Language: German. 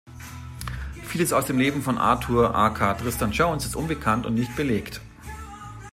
Vieles aus dem Leben von Arthur aka Tristan Jones ist unbekannt und nicht belegt.